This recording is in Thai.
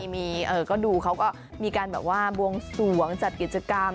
มีก้าดูเขามีการแบบว่าบ่งสวงสรรค์กิจกรรม